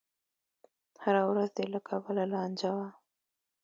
هره ورځ دې له کبله لانجه وي.